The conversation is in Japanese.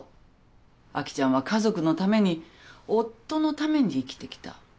アキちゃんは家族のために夫のために生きてきた。